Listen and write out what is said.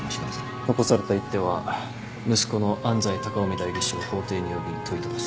残された一手は息子の安斎高臣代議士を法廷に呼び問いただす。